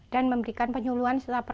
dan memberikan penyuluan